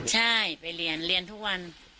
ใช่ไปเรียนเรียนทุกวัน